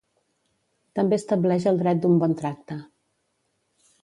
També estableix el dret d’un bon tracte.